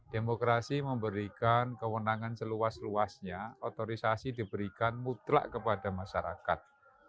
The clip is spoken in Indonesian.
demokrasi memberikan kewenangan seluas luasnya otorisasi diberikan mutlak kepada masyarakat